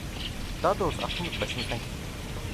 Daha doğrusu aklımız başımızdan gitti.